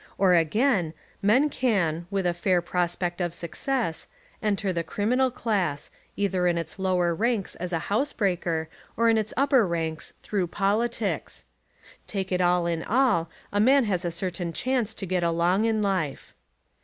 Or again, men can, with a fair prospect of success, enter the criminal class, either in its lower ranks as a house breaker, or in its upper ranks, through politics. Take it all in all a man has a certain chance to get along in life.